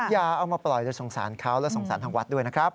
อย่าเอามาปล่อยโดยสงสารเขาและสงสารทางวัดด้วยนะครับ